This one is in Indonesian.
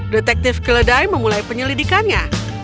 detektif kledai memulai penyelidikannya